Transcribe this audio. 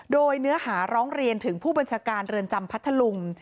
โดยเนื้อหาร้องเรียนถึงผู้บัญชาการเรือนจำพัทธลุง